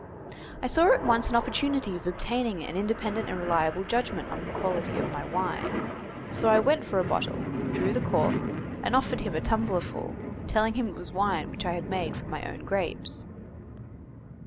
I saw at once an opportunity of obtaining an independent and reliable judgment on the quality of my wine; so I went for a bottle, drew the cork, and offered him a tumblerful, telling him it was wine which I had made from my own grapes.